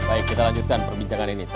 baik kita lanjutkan perbincangan ini